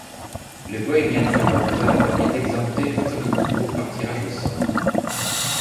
Le Bohemian Football Club est exempté du premier tour par tirage au sort.